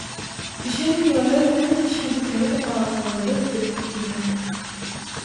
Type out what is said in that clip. Bişen miweler bilen bişmedikleri tapawutlandyryp bilmek diýmek.